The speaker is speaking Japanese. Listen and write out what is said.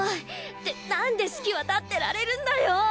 ってなんで四季は立ってられるんだよ！